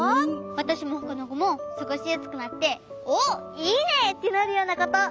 わたしもほかのこもすごしやすくなって「おっいいね！」ってなるようなこと。